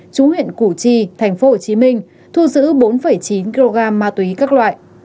chú huyện củ chi tp hcm thu giữ bốn chín kg ma túy các loại